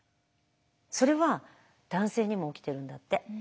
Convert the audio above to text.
それは男性にも起きてるんだって。